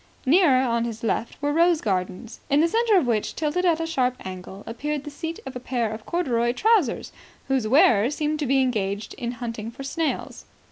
Nearer, on his left, were rose gardens, in the centre of which, tilted at a sharp angle, appeared the seat of a pair of corduroy trousers, whose wearer seemed to be engaged in hunting for snails.